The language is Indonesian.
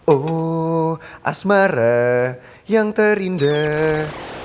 oh asmara yang terindah